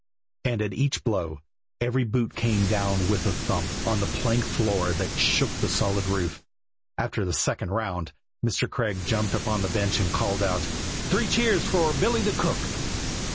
And at each "blow" every boot came down with a thump on the plank floor that shook the solid roof. After the second round Mr. Craig jumped upon the bench and called out: "Three cheers for Billy the cook!"